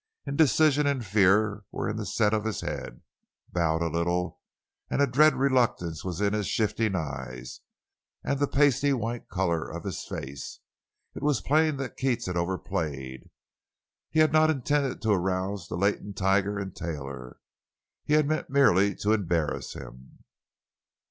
Indecision and fear were in the set of his head—bowed a little; and a dread reluctance was in his shifting eyes and the pasty white color of his face. It was plain that Keats had overplayed; he had not intended to arouse the latent tiger in Taylor; he had meant merely to embarrass him.